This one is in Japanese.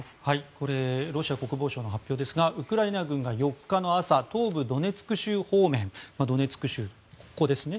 これロシア国防省の発表ですがウクライナ軍が４日の朝東部ドネツク州方面ドネツク州、ここですね。